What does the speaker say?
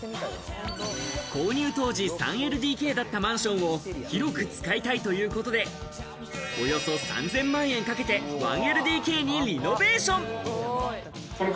購入当時、３ＬＤＫだったマンションを広く使いたいということで、およそ３０００万円かけて１ＬＤＫにリノベーション。